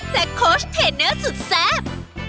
และโค้ชเทเนื้อสุดแซ่บ